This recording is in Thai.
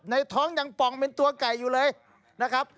ในท้องยังป่องเป็นตัวไก่อยู่เลยนะครับ